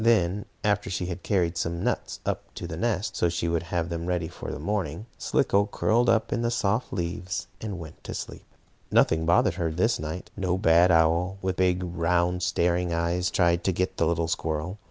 Then, after she had carried up some nuts to the nest, so she would have them ready for morning, Slicko curled up in the soft leaves and went to sleep. Nothing bothered her this night. No bad old owl, with big, round, staring eyes, tried to get the little squirrel.